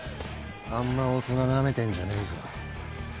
あんま大人なめてんじゃねえぞ。